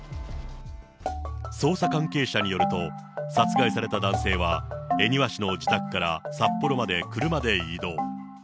捜査関係者によると、殺害された男性は恵庭市の自宅から札幌まで車で移動。